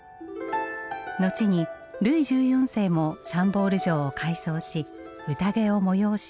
後にルイ１４世もシャンボール城を改装しうたげを催し